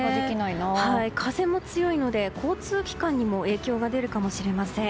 風も強いので交通機関にも影響が出るかもしれません。